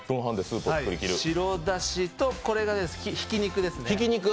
白だしと、これがひき肉ですね。